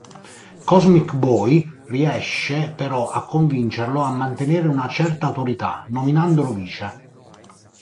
Cosmic Boy riesce però a convincerlo a mantenere una certa autorità nominandolo vice.